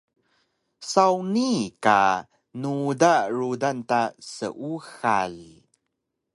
Saw nii ka nuda rudan ta seuxal